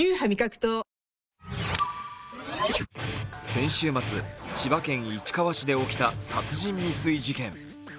先週末、千葉県市川市で起きた殺人未遂事件。